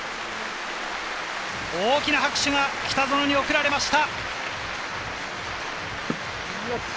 大きな拍手が北園に送られました。